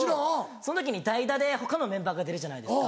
その時に代打で他のメンバーが出るじゃないですか。